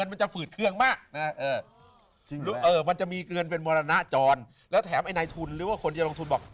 มันจะฝืดเครื่องมากมันจะมีเกินเป็นมรณจรแล้วแถมไอ้นายทุนหรือว่าคนจะลงทุนบอก